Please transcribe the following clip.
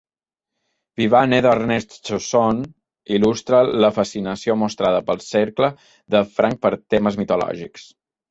"Vivane" d'Ernest Chausson il·lustra la fascinació mostrada pel cercle de Franck per temes mitològics.